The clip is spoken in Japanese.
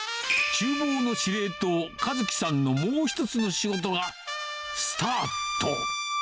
ちゅう房の司令塔、和樹さんのもう一つの仕事がスタート。